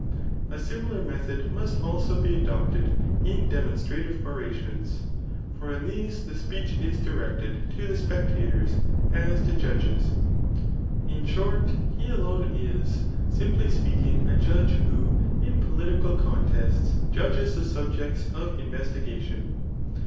A similar method must also be adopted ia demcMistrative orations; for in these the speech is di> rected to the spectators as to judges* In short, he alone is, simply speaking, a judge, who in political contests judges the subjects of investigation.